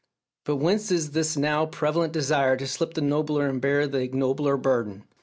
But whence is this now prevalent desire to slip the nobler and bear the ignobler burden?